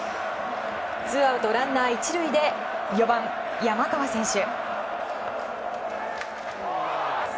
ツーアウトランナー１塁で４番、山川選手。